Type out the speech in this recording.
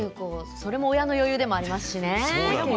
それも親の余裕でもありますしね。